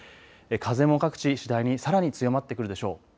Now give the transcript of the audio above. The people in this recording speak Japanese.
風も各地次第にさらに強まってくるでしょう。